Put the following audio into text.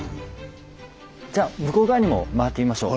じゃあ向こう側にも回ってみましょう。